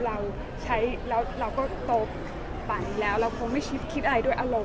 เราก็โตไปแล้วเราคงไม่คิดอะไรด้วยอารมณ์